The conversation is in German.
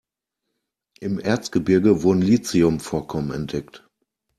Im Erzgebirge wurden Lithium-Vorkommen entdeckt.